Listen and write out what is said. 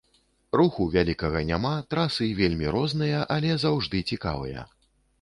Руху вялікага няма, трасы вельмі розныя, але заўжды цікавыя.